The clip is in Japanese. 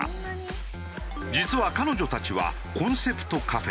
実は彼女たちはコンセプトカフェ